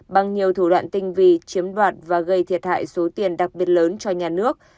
bằng nhiều thủ đoạn tinh vi chiếm đoạt và gây thiệt hại số tiền đặc biệt lớn cho nhà nước